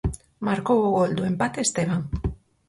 Marcou o gol do empate Esteban.